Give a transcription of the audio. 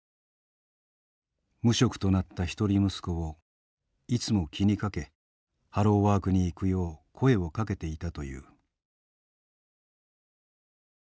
無職となった一人息子をいつも気にかけハローワークに行くよう声をかけていたという。